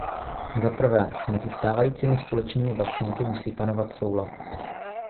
Zaprvé, mezi stávajícími společnými vlastníky musí panovat soulad.